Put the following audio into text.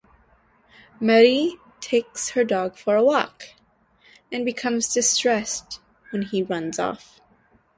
Marie takes her dog for a walk, and becomes distressed when he runs off.